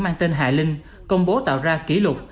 mang tên hà linh công bố tạo ra kỷ lục